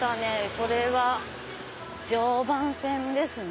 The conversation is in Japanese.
これは常磐線ですね。